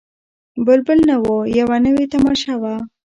بلبل نه وو یوه نوې تماشه وه